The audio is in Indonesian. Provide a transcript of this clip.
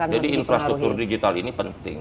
jadi infrastruktur digital ini penting